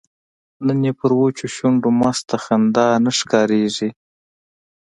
نن یې پر وچو شونډو مسته خندا نه ښکاریږي